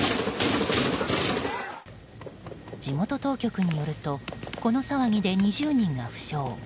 地元当局によるとこの騒ぎで２０人が負傷。